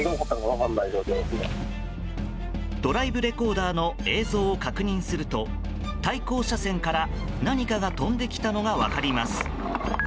ドライブレコーダーの映像を確認すると対向車線から何かが飛んできたのが分かります。